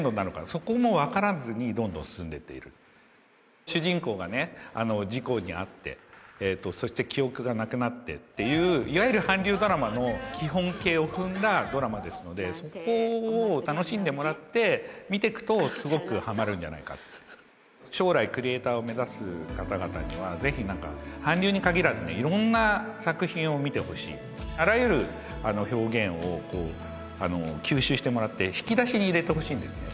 そこもわからずにどんどん進んでっている主人公がね事故に遭ってえーっとそして記憶がなくなってっていういわゆる韓流ドラマの基本形をふんだドラマですのでそこを楽しんでもらって見てくとすごくハマるんじゃないかって将来クリエイターを目指す方々にはぜひなんか韓流に限らず色んな作品を見てほしいあらゆる表現を吸収してもらって引き出しに入れてほしいんですね